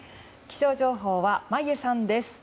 気象情報は眞家さんです。